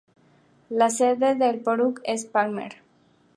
La sede del borough es Palmer.